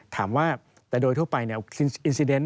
ถามว่าแต่โดยทั่วไป